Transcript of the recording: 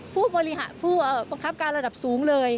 ผู้บริหารผู้บังคับการระดับสูงเลย